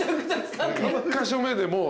１カ所目でもう。